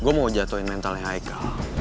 gue mau jatohin mental yang eka